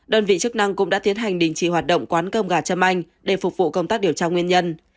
đơn vị chức năng cũng đã tiến hành đình chỉ hoạt động quán cơm gà châm anh để phục vụ công tác điều tra nguyên nhân